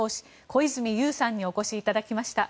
小泉悠さんにお越しいただきました。